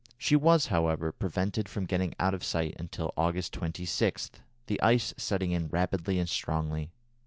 She was, however, prevented from getting out of sight until August 26, the ice setting in rapidly and strongly.